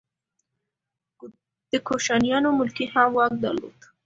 د کوشانیانو ملکې هم واک درلود